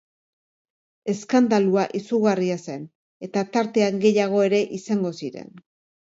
Eskandalua izugarria zen eta tartean gehiago ere izango ziren...